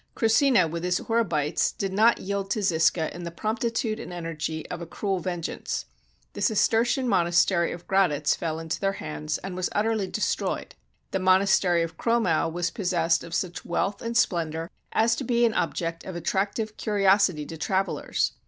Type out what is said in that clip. Krussina, with his Horebites, did not yield to Zisca in the promptitude and energy of a cruel vengeance. The Cistercian monastery of Graditz fell into their hands, and was utterly destroyed. The monastery of Cromau was possessed of such wealth and splendor as to be an object of attractive curiosity to travelers.